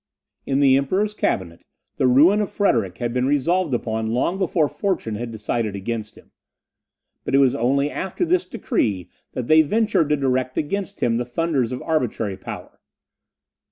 In the Emperor's cabinet, the ruin of Frederick had been resolved upon long before fortune had decided against him; but it was only after this event that they ventured to direct against him the thunders of arbitrary power.